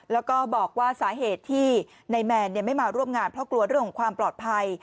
แล้วก็บอกว่าสาเหตุที่นายแมนไม่มาร่วมงานเพราะกลัวเรื่องของความปลอดภัย